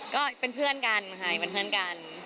ก็เป็นเพื่อนกันค่ะเป็นเพื่อนกัน